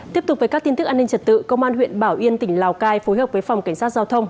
tiếp tục với các tin tức an ninh trật tự công an huyện bảo yên tỉnh lào cai phối hợp với phòng cảnh sát giao thông